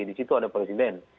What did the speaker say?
di situ ada presiden